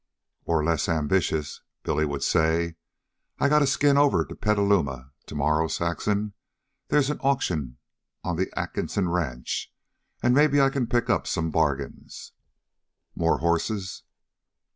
Or, less ambitious, Billy would say: "I gotta skin over to Petaluma to morrow, Saxon. They's an auction on the Atkinson Ranch an' maybe I can pick up some bargains." "More horses!"